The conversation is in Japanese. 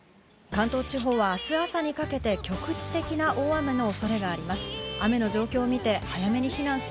関東地方は明日朝にかけて局地的な大雨の恐れがあります。